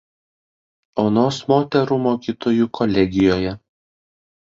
Onos moterų mokytojų kolegijoje.